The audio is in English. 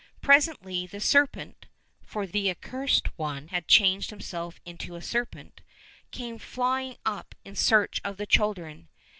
Presently the serpent (for the Accursed One had changed himself into a serpent) came flying up in search of the children.